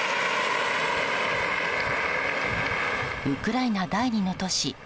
ウクライナ第２の都市